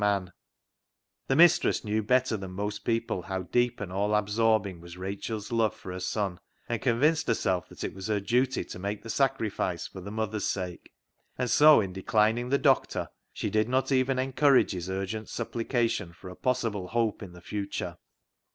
268 VAULTING AMBITION The mistress knew better than most people how deep and all absorbing was Rachel's love for her son, and convinced herself that it was her duty to make the sacrifice for the mother's sake, and so in declining the doctor she did not even encourage his urgent supplication for a possible hope in the future.